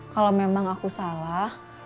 kalau memang aku salah